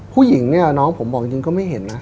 ผู้หญิงเนี่ยน้องผมบอกจริงก็ไม่เห็นนะ